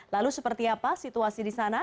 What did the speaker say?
lalu seperti apa situasi di sana